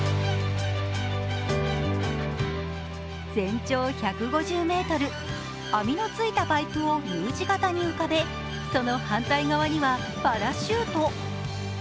全長１５０ｍ、網のついたパイプをＵ字型に浮かべその反対側にはパラシュート。